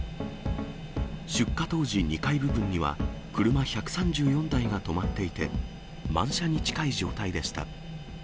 出火当時、２階部分には車１３４台が止まっていて、満車に近い状態でした。